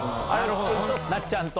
なっちゃんと！